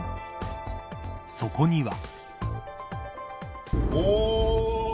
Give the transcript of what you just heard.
そこには。